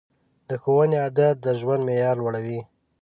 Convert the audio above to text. د ښوونې عادت د ژوند معیار لوړوي.